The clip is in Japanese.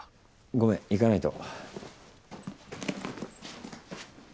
ごめん行かないと。